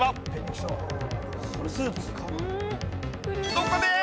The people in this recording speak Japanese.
どこで！